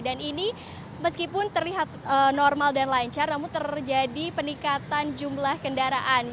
dan ini meskipun terlihat normal dan lancar namun terjadi peningkatan jumlah kendaraan